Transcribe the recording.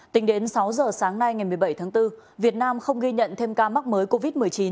tính đến sáu giờ sáng nay ngày một mươi bảy tháng bốn việt nam không ghi nhận thêm ca mắc mới covid một mươi chín